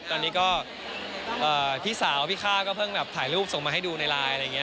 ตอนนี้ก็พี่สาวพี่ค่าก็เพิ่งถ่ายรูปส่งมาให้ดูในไลน์